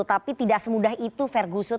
tapi tidak semudah itu fergusut